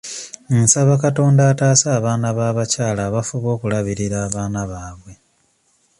Nsaba Katonda ataase abaana b'abakyala abafuba okulabirira abaana baabwe.